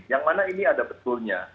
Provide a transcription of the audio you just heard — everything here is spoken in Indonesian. yang mana ini ada betulnya